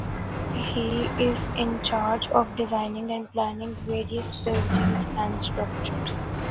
He is in charge of designing and planning various buildings and structures.